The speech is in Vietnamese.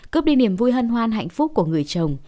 cướp đi niềm vui hân hoan hạnh phúc của người chồng